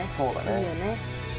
いいよね。